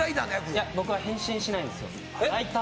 いや僕は変身しないんですよ。